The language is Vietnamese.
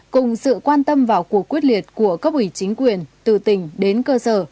cùng sự quan tâm vào cuộc quyết liệt của cấp ủy chính quyền từ tỉnh đến cơ sở